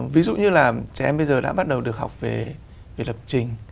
ví dụ như là trẻ em bây giờ đã bắt đầu được học về lập trình